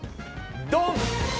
ドン！